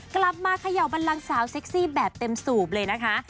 เขย่าบันลังสาวเซ็กซี่แบบเต็มสูบเลยนะคะ